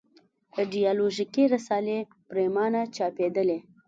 ایدیالوژیکې رسالې پرېمانه چاپېدلې.